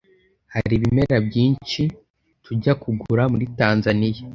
Hari ibimera byinshi tujya kugura muri Tanzaniya